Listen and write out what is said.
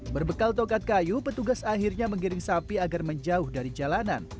berbekal tokat kayu petugas akhirnya menggiring sapi agar menjauh dari jalanan